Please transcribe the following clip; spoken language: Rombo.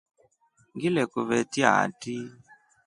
Ngilekuvetia hatri.